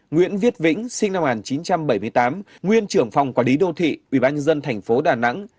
nguyễn viết vĩnh sinh năm một nghìn chín trăm bảy mươi tám nguyên trưởng phòng quản lý đô thị ủy ban nhân dân tp đà nẵng